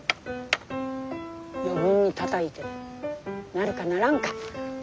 余分にたたいてなるかならんか？